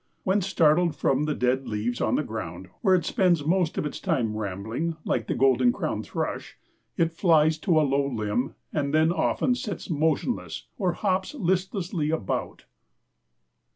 When startled from the dead leaves on the ground, where it spends most of its time rambling, like the golden crowned thrush, it flies to a low limb and then often sits motionless or hops listlessly about."